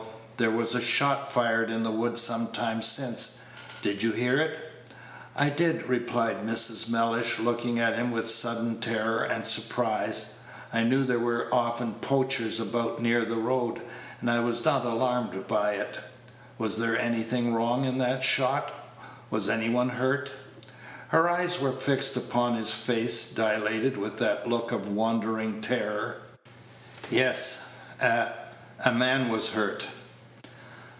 There was a shot fired in the wood some time since. Did you hear it?" "I did," replied Mrs. Mellish, looking at him with sudden terror and surprise. "I knew there were often poachers about near the road, and I was not alarmed by it. Was there anything wrong in that shot? Was any one hurt?" Her eyes were fixed upon his face, dilated with that look of wondering terror. "Yes; a a man was hurt."